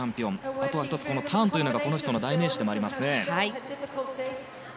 あとは１つターンというのがこの人の代名詞ですね。